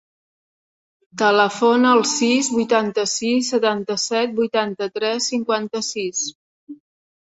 Telefona al sis, vuitanta-sis, setanta-set, vuitanta-tres, cinquanta-sis.